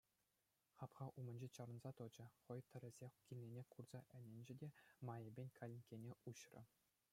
Хапха умӗнче чарӑнса тӑчӗ, хӑй тӗрӗсех килнине курса ӗненчӗ те майӗпен калинккене уҫрӗ.